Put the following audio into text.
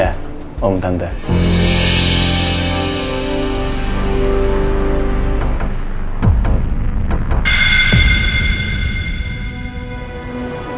jadi kalau bisa jangan ditunda tunda